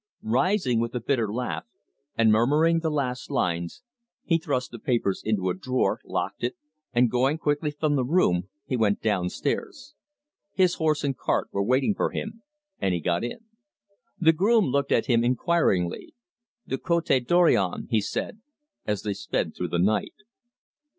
Rising with a bitter laugh, and murmuring the last lines, he thrust the papers into a drawer, locked it, and going quickly from the room, he went down stairs. His horse and cart were waiting for him, and he got in. The groom looked at him inquiringly. "The Cote Dorion!" he said, and they sped away through the night.